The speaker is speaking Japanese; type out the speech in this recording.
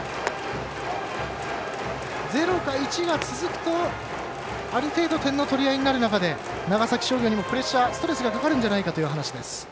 ０か１が続くと、ある程度点の取り合いになる中で長崎商業にもプレッシャーストレスがかかるんじゃないかというお話です。